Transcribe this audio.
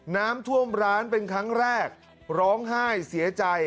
น้ำท่วมร้านเป็นครั้งแรกร้องไห้เสียใจ